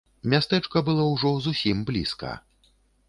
Мястэчка было ўжо зусім блізка.